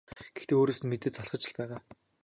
Гэхдээ өөрөөс нь мэдээж залхаж л байгаа.